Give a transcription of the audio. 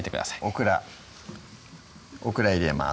オクラオクラ入れます